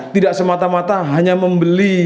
tidak semata mata hanya membeli